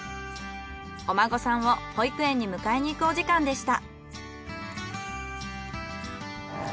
お孫さんを保育園に迎えに行くお時間でした。